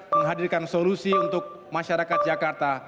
menghadirkan solusi untuk masyarakat jakarta